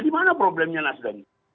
di mana problemnya nasdem